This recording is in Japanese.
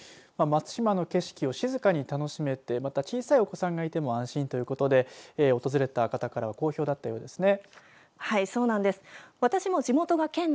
松島の景色を静かに楽しめてまた小さいお子さんがいても安心ということで訪れた方からは好評だったようですね。